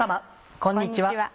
こんにちは。